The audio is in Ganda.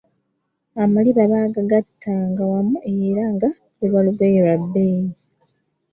Amaliba baagagattanga wamu era nga luba lugoye lwa bbeeyi.